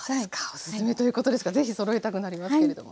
オススメということですか是非そろえたくなりますけれども。